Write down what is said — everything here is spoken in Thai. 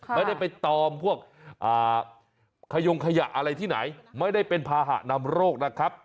ไม่ได้ไปตอมพวกขยงขยะอะไรที่ไหนไม่ได้เป็นภาหะนำโรคนะครับ